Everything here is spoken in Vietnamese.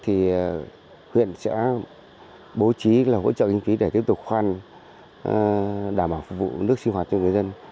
thì huyện sẽ bố trí hỗ trợ kinh phí để tiếp tục khoan đảm bảo phục vụ nước sinh hoạt cho người dân